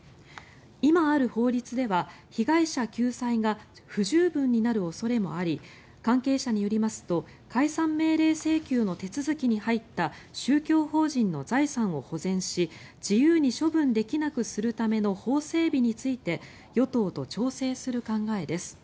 今ある法律では被害者救済が不十分になる恐れもあり関係者によりますと解散命令請求の手続きに入った宗教法人の財産を保全し自由に処分できなくするための法整備について与党と調整する考えです。